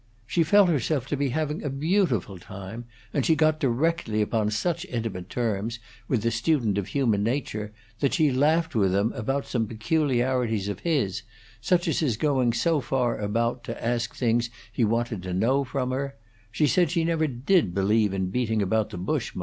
She felt herself to be having a beautiful time, and she got directly upon such intimate terms with the student of human nature that she laughed with him about some peculiarities of his, such as his going so far about to ask things he wanted to know from her; she said she never did believe in beating about the bush much.